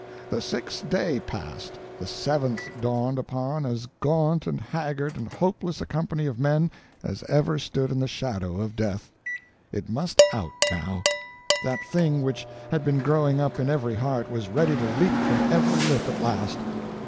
"The sixth day passed the seventh dawned upon as gaunt and haggard and hopeless a company of men as ever stood in the shadow of death. It must out now! That thing which had been growing up in every heart was ready to leap from every lip at last!